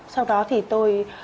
sau đó thì tôi